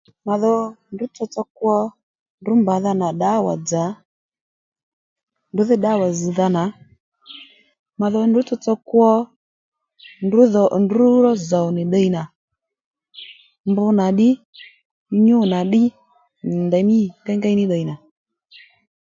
Mà dho ndrǔ tsotso kwo ndrǔ mbàdha nà ddǎwà-dzà ndrǔ dhí ddǎwà zz̀dha nà mà dho ndrǔ tsotso kwo ndrǔ dhò ndrǔ ró zòw nì ddiy nà mb nà ddí, nyû nà ddí ndèymí ngéyngéy ní ddiy nà